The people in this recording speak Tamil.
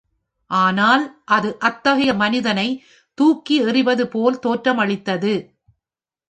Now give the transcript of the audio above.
ஆனால் அது அத்தகைய மனிதனைத் தூக்கி எறிவது போல் தோற்றமளித்தது.